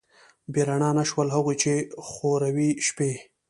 بې رڼا نه شول، هغوی چې خوروي شپې